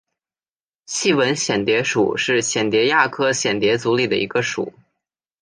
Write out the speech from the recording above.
细纹蚬蝶属是蚬蝶亚科蚬蝶族里的一个属。